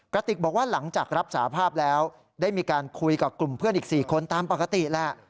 กระติกบอกว่าหลังจากรับสาภาพแล้วได้มีการคุยกับกลุ่มเพื่อนอีก๔คนตามปกติแหละ